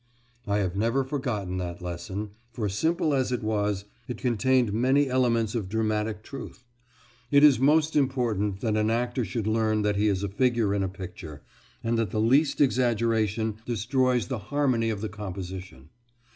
I have never forgotten that lesson, for simple as it was, it contained many elements of dramatic truth. It is most important that an actor should learn that he is a figure in a picture, and that the least exaggeration destroys the harmony of the composition.